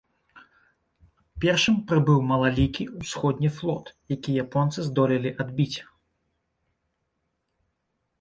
Першым прыбыў малалікі ўсходні флот, які японцы здолелі адбіць.